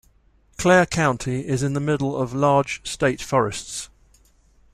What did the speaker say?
Clare County is in the middle of large state forests.